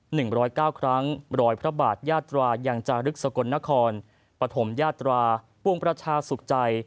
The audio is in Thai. หนึ่งร้อยเก้าครั้งรอยพระบาทยาตรายังจารึกสกลนครปฐมยาตราปวงประชาสุขใจ